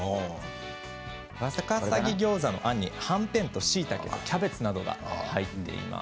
ワカサギギョーザのあんにはんぺんとしいたけキャベツなどが入っています。